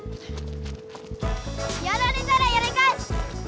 やられたらやりかえす！